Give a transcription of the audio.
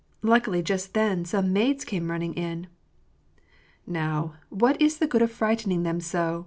Luckily, just then, some maids came running in." " Now, what is the good of frightening them so